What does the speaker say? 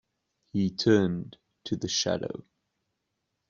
He turned to the Shadow.